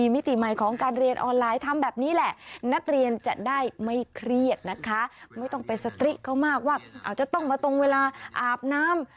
ไม่ต้องเป็นสตริกเขามากว่าจะต้องมาตรงเวลาอาบน้ำ